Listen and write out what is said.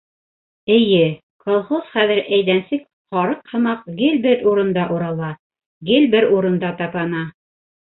Эйе... колхоз хәҙер әйҙәнсек һарыҡ һымаҡ, гел бер урында урала, гел бер урында тапана.